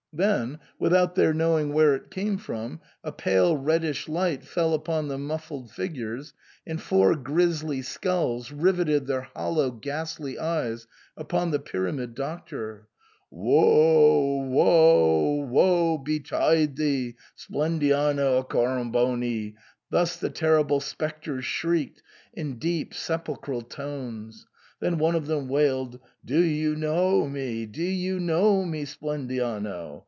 Then, without their knowing where it came from, a pale reddish light fell upon the muffled figures, and four grisly skulls riveted their hollow ghastly eyes upon the Pyramid Doctor. " Woe — ^woe — woe betide thee, Splendiano Accoramboni !" thus the terrible spec tres shrieked in deep, sepulchral tones. Then one of them wailed, " Do you know me ? do you know me, Splendiano